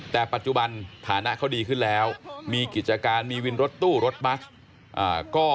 แต่ปัจจุบันฐานะเขาดีขึ้นแล้วมีกิจการมีวินรถตู้รถบัส